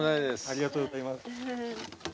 ありがとうございます。